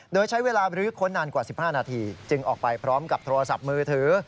โดยใช้เวลาบรื้อค้นนานกว่า๑๕นาทีจึงออกไปพร้อมกับโทรศัพท์มือถือ